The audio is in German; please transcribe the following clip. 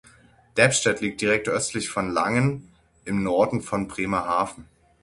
Debstedt liegt direkt östlich von Langen im Norden von Bremerhaven.